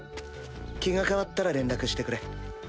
気が変わったら連絡してくれ。